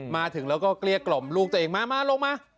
มาถึงแล้วก็เกลี้ยกล่อมลูกตัวเองมามาลงมา